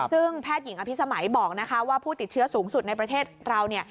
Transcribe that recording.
ซึ่งแพทย์หญิงอภิษมัยบอกว่าผู้ติดเชื้อสูงสุดในประเทศเรา